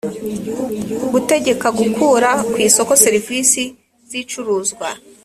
gutegeka gukura ku isoko serivisi zicuruzwa